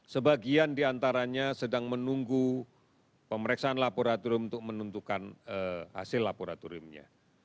sebagian diantaranya sedang menunggu pemeriksaan laboratorium untuk menentukan hasil laboratoriumnya